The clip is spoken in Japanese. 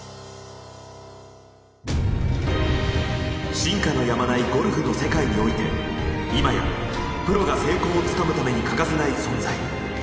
進化のやまないゴルフの世界において今やプロが成功をつかむために欠かせない存在。